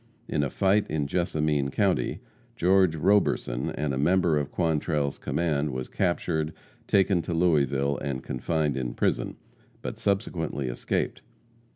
In a fight in Jessamine county, George Roberson and a member of Quantrell's command, was captured, taken to Louisville, and confined in prison, but subsequently escaped.